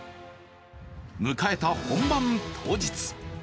迎えた本番当日。